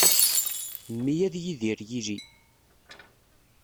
Mmi ad yidir yili.